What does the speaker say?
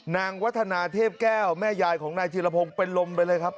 วัฒนาเทพแก้วแม่ยายของนายธีรพงศ์เป็นลมไปเลยครับ